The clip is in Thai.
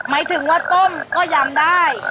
หมายถึงว่าต้มก็ยำได้